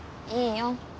いいよ。